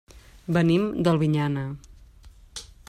Venim d'Albinyana.